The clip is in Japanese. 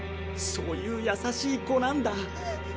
そういうやさしい子なんだ。